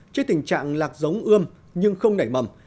trước tình trạng lạc giống ươm nhưng không nảy mầm